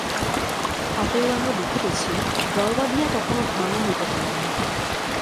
অতএব আমরা দেখিতেছি, দল বাঁধিয়া কখনও ধর্ম হইতে পারে না।